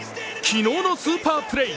昨日のスーパープレー。